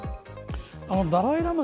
ダライ・ラマ